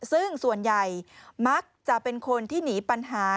ซึ่งส่วนใหญ่มักจะเป็นคนที่หนีปัญหา